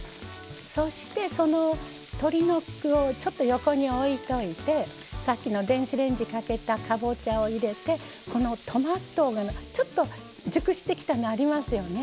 そして、その鶏肉を横に置いておいてさっきの電子レンジかけたかぼちゃを入れてこのトマト、ちょっと熟してきたのありますよね。